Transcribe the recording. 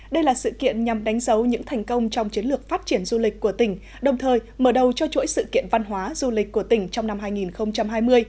đây là sự kiện nhằm đánh dấu những thành công trong chiến lược phát triển du lịch của tỉnh đồng thời mở đầu cho chuỗi sự kiện văn hóa du lịch của tỉnh trong năm hai nghìn hai mươi